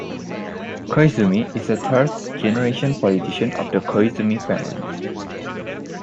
Koizumi is a third-generation politician of the Koizumi family.